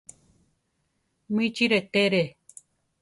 Michi rétere.